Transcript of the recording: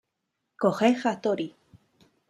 Kohei Hattori